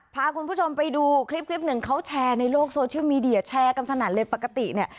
พาคุณผู้ชมไปดูคลิปคลิปหนึ่งเขาแชร์ในโลกโซเชียลมีเดียแชร์กันสนั่นเลยปกติเนี่ย